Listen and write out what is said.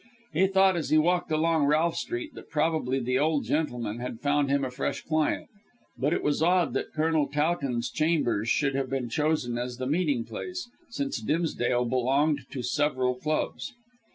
He thought as he walked along Ralph Street that probably the old gentleman had found him a fresh client. But it was odd that Colonel Towton's chambers should have been chosen as the meeting place, since Dimsdale belonged to several clubs.